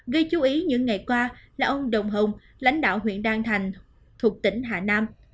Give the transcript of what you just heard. gây chú ý những ngày qua là ông đồng hồng lãnh đạo huyện đan thành thuộc tỉnh hà nam